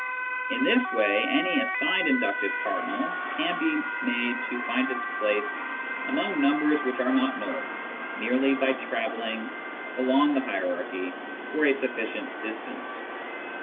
In this way any assigned inductive cardinal can be made to find its place among numbers which are not null, merely by travelling along the hierarchy for a sufficient distance.